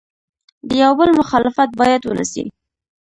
د یو بل مخالفت باید ونسي.